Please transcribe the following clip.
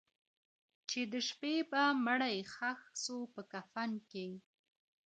چي د شپې به مړی ښخ سو په کفن کي